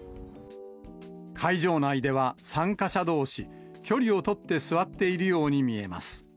会場内では参加者どうし、距離を取って座っているように見えます。